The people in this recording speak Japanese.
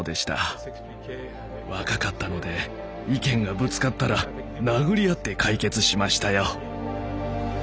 若かったので意見がぶつかったら殴り合って解決しましたよ。